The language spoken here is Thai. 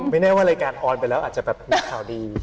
ไม่แน่ว่ารายการออนเป็นแล้วอาจจะมีข่าวดี